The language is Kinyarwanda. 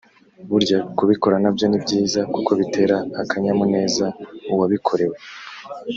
Burya kubikora nabyo ni byiza kuko bitera akanyamuneza uwabikorewe